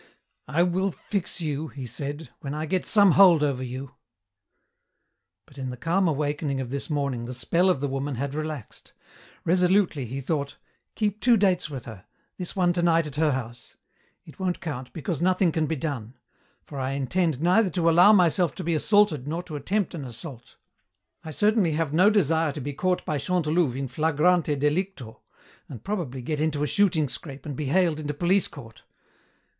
"I will fix you," he said, "when I get some hold over you." But in the calm awakening of this morning the spell of the woman had relaxed. Resolutely he thought, "Keep two dates with her. This one tonight at her house. It won't count, because nothing can be done. For I intend neither to allow myself to be assaulted nor to attempt an assault. I certainly have no desire to be caught by Chantelouve in flagrante delicto, and probably get into a shooting scrape and be haled into police court.